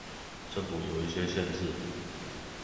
政府有一些限制